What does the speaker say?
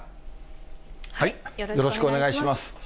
よろしくお願いします。